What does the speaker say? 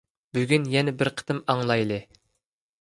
بۈگۈن يەنە بىر قېتىم ئاڭلايلى.